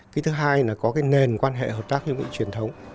cái thứ hai là có cái nền quan hệ hợp tác như những truyền thống